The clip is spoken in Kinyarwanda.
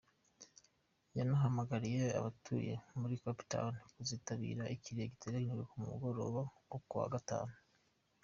Yanahamagariye abatuye muri Cape Town kuzitabira ikiriyo giteganyijwe ku mugoroba wo kuwa Gatanu.